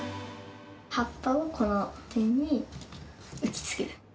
葉っぱを、この点に打ちつける。